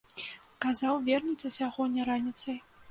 Казаў, вернецца сягоння раніцай.